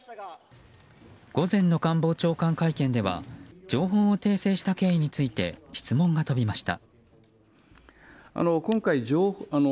午前の官房長官会見では情報を訂正した経緯について質問が飛びました。